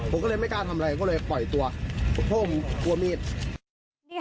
ผมก็เลยไม่กล้าทำอะไรก็เลยปล่อยตัวเพราะผมกลัวมีด